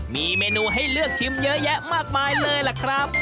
มีเมนูให้เลือกชิมเยอะแยะมากมายเลยล่ะครับ